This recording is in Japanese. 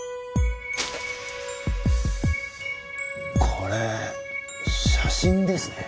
これ写真ですね。